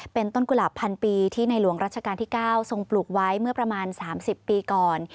เป็นต้นกุหลาบพันปีที่ในหลวงรัชกาลที่๙ทรงปลูกไว้เมื่อประมาณ๓๐ปีก่อน